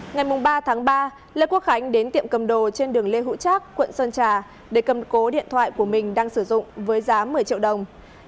ngày ba tháng ba lê quốc khánh đến tiệm cầm đồ trên đường lê hữu trác quận sơn trà để cầm cố điện thoại của mình đang sử dụng với giá một mươi triệu đồng